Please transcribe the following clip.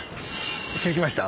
気付きました？